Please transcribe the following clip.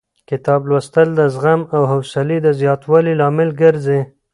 کتاب لوستل د زغم او حوصلې د زیاتوالي لامل ګرځي.